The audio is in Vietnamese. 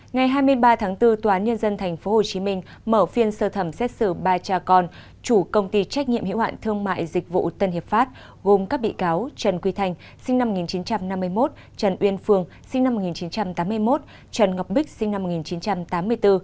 ngày hai mươi ba tháng bốn tòa án nhân dân tp hcm mở phiên sơ thẩm xét xử ba cha con chủ công ty trách nhiệm hiệu hạn thương mại dịch vụ tân hiệp pháp gồm các bị cáo trần quy thanh sinh năm một nghìn chín trăm năm mươi một trần uyên phương sinh năm một nghìn chín trăm tám mươi một trần ngọc bích sinh năm một nghìn chín trăm tám mươi bốn